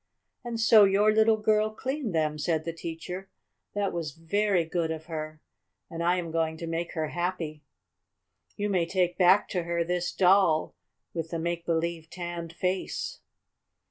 "And so your little girl cleaned them," said the teacher. "That was very good of her, and I am going to make her happy. You may take back to her this doll, with the make believe tanned face."